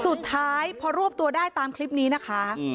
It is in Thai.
สุดท้ายพอรวบตัวได้ตามคลิปนี้นะคะ